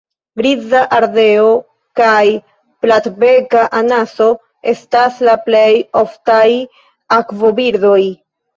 Griza ardeo kaj platbeka anaso estas la plej oftaj akvobirdoj.